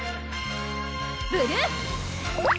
ブルー！